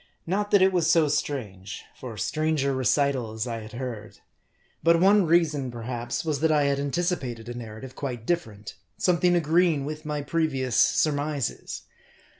Not that it was so strange ; for stranger recitals I had heard. But one reason, perhaps, was that I had anticipated a narrative quite different ; something agreeing with my pre vious surmises.